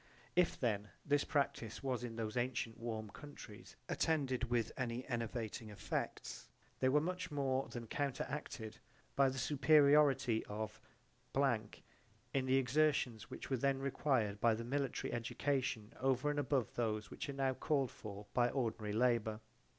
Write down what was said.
If then this practise was in those antient warm countries attended with any enervating effects, they were much more than counteracted by the superiority of [illegible] in the exertions which were then required by the military education over and above those which are now called forth by ordinary labour.